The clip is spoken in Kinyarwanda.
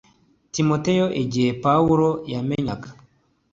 timoteyo igihe pawulo yamenyaga